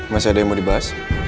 masih ada yang mau dibahas